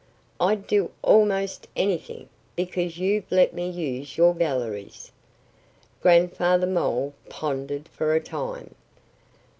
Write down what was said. "I'd do almost anything, because you've let me use your galleries." Grandfather Mole pondered for a time.